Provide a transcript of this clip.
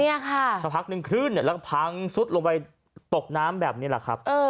สักพักหนึ่งขึ้นแล้วเพิ่งสุดลงไปตกน้ำแบบนี้แหละครับเออ